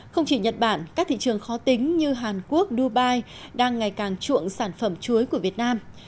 không chỉ nhật bản các thị trường khó tính như hàn quốc dubai đang ngày càng chuộng sản phẩm chuối của việt nam